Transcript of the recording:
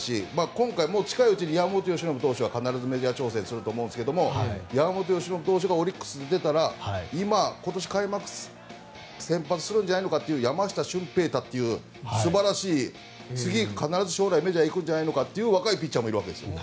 今回、近いうちに山本由伸投手はメジャー調整すると思うんですが山本由伸投手がオリックスを出たら今年、開幕戦先発するんじゃないかという山下という素晴らしい次、必ず将来メジャー行くんじゃないかという若いピッチャーもいるんです。